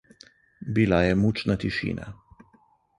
Bila je mučna tišina.